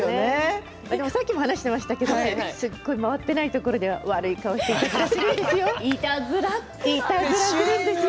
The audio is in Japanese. さっきも話していましたけどすごく回っていないところでは悪い顔をしていたんです。